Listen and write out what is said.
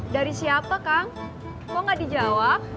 dari siapa kang kok gak dijawab